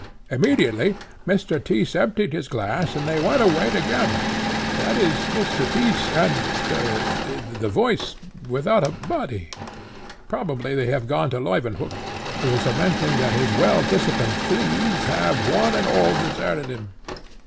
Immediately Mr. Tyss emptied his glass, and they went away together that is, Mr. Tyss and the voice without a body. Probably they have gone to Leuwenhock's, who is lamenting that his well disciplined fleas have, one and all, deserted him."